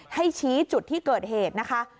ให้ชี้จุดที่เกิดเหตุนะคะ